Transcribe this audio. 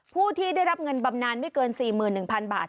ผู้ที่ได้รับเงินบำนานไม่เกิน๔๑๐๐๐บาท